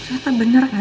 ternyata bener kan